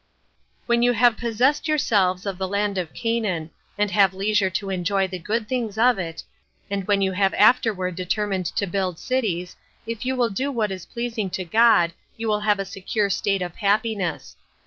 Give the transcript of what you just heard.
5. When you have possessed yourselves of the land of Canaan, and have leisure to enjoy the good things of it, and when you have afterward determined to build cities, if you will do what is pleasing to God, you will have a secure state of happiness.